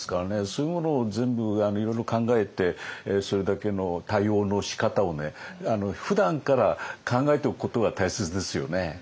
そういうものを全部いろいろ考えてそれだけの対応のしかたをふだんから考えておくことが大切ですよね。